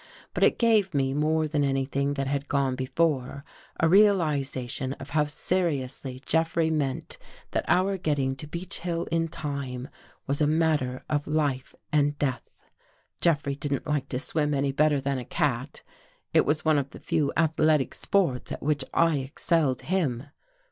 But it gave me, more than anything that had gone before, a realization of how seriously Jeffrey meant that our getting to Beech Hill in time was a matter of life and death. Jeffrey didn't like to swim any better than a cat. It was one of the few athletic sports at which I excelled him.